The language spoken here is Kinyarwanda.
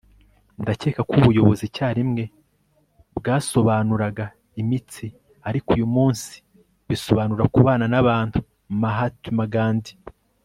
ndakeka ko ubuyobozi icyarimwe bwasobanuraga imitsi; ariko uyu munsi bisobanura kubana n'abantu. - mahatma gandhi